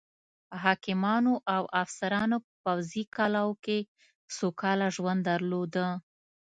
حاکمانو او افسرانو په پوځي کلاوو کې سوکاله ژوند درلوده.